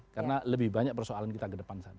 karena lebih banyak persoalan kita ke depan sana